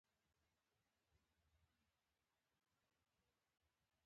ځینې ژاولې د طبي ستونزو لپاره کارېږي.